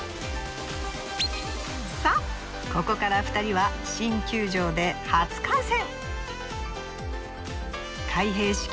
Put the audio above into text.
さあここから２人は新球場で初観戦。